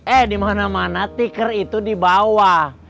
eh di mana mana tikar itu di bawah